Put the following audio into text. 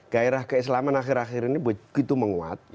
gairah keislaman akhir akhir ini begitu menguat